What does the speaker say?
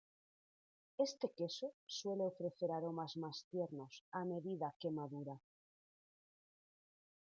Este queso suele ofrecer aromas más tiernos a medida que madura.